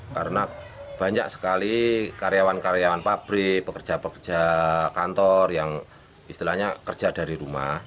karena banyak sekali karyawan karyawan pabrik pekerja pekerja kantor yang istilahnya kerja dari rumah